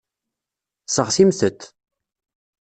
Seɣtimt-t.